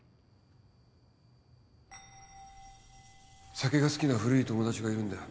酒が好きな古い友達がいるんだよ